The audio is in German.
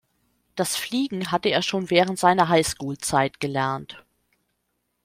Das Fliegen hatte er schon während seiner High School-Zeit gelernt.